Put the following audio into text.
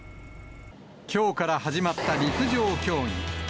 きょうから始まった陸上競技。